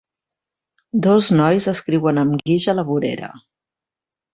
Dos nois escriuen amb guix a la vorera.